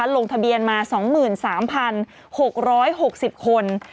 ลงทะเบียนมา๒๓๖๖๐คน